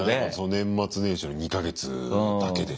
年末年始の２か月だけでしょ。